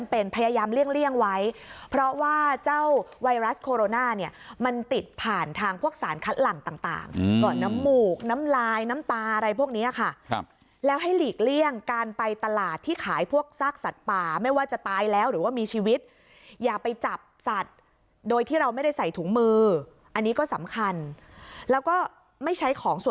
เป็นพยายามเลี่ยงไว้เพราะว่าเจ้าไวรัสโคโรนาเนี่ยมันติดผ่านทางพวกสารคัดหลังต่างก่อนน้ำหมูกน้ำลายน้ำตาอะไรพวกนี้ค่ะแล้วให้หลีกเลี่ยงการไปตลาดที่ขายพวกซากสัตว์ป่าไม่ว่าจะตายแล้วหรือว่ามีชีวิตอย่าไปจับสัตว์โดยที่เราไม่ได้ใส่ถุงมืออันนี้ก็สำคัญแล้วก็ไม่ใช้ของส